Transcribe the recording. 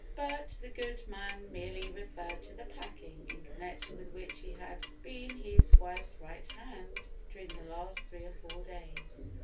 But the good man merely referred to "the packing," in connection with which he had been his wife's right hand during the last three or four days.